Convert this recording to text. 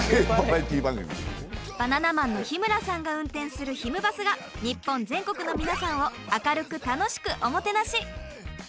バナナマンの日村さんが運転する、ひむバスが日本全国の皆さんを明るく楽しくおもてなし。